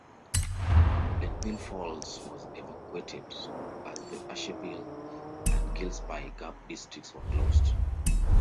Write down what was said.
Linville Falls was evacuated; the Asheville and Gillespie Gap Districts were closed.